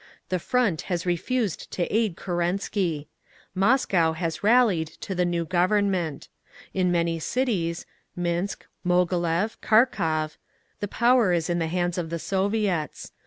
The Front has refused to aid Kerensky. Moscow has rallied to the new Government. In many cities (Minsk, Moghilev, Kharkov) the power is in the hands of the Soviets.